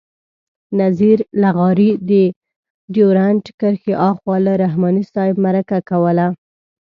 نذیر لغاري د ډیورنډ کرښې آخوا له رحماني صاحب مرکه کوله.